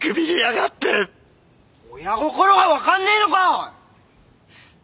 親心が分かんねえのか！